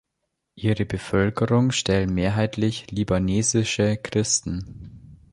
Ihre Bevölkerung stellen mehrheitlich libanesische Christen.